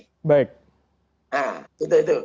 nah itu itu